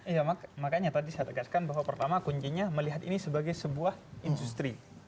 iya makanya tadi saya tegaskan bahwa pertama kuncinya melihat ini sebagai sebuah industri